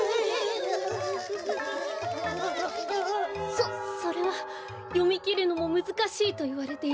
そそれはよみきるのもむずかしいといわれている